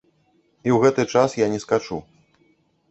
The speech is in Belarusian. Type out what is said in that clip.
І ў гэты час я не скачу.